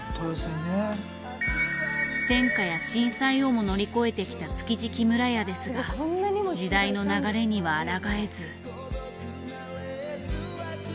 戦火や震災をも乗り越えてきた築地木村家ですが時代の流れには抗えず。